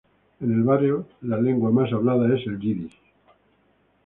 En el barrio, la lengua más hablada es el yiddish.